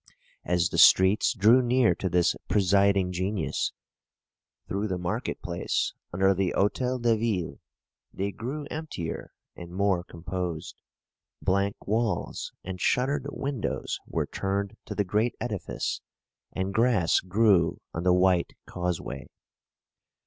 As the streets drew near to this presiding genius, through the market place under the Hôtel de Ville, they grew emptier and more composed. Blank walls and shuttered windows were turned to the great edifice, and grass grew on the white causeway.